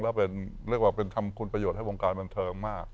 แล้วเป็นเรียกว่าเป็นทำคุณประโยชน์ให้วงการบันเทิงมาก